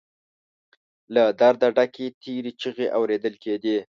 له درده ډکې تېرې چيغې اورېدل کېدې.